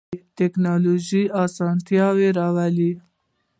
تکنالوژی اسانتیا راولی